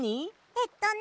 えっとね。